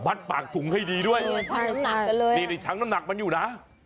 บัดปากถุงให้ดีด้วยดีในชั้นน้ำหนักมันอยู่นะ